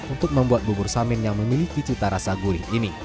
untuk membuat bubur samit yang memiliki